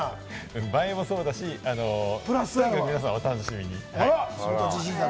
映えもそうだし、皆さんお楽しみに。